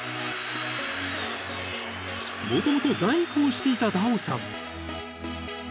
［もともと大工をしていたダオさん］